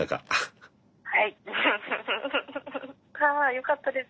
よかったです